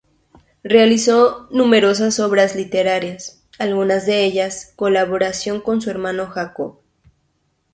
Realizó numerosas obras literarias, algunas de ellas en colaboración con su hermano Jacob.